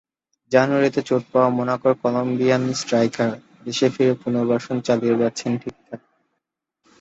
জানুয়ারিতে চোট পাওয়া মোনাকোর কলম্বিয়ান স্ট্রাইকার দেশে ফিরে পুনর্বাসন চালিয়ে যাচ্ছেন ঠিকঠাক।